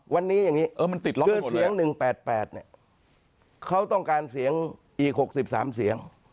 วันนี้อย่างนี้คือเสียง๑๘๘เนี่ยเขาต้องการเสียงอีก๖๓เสียง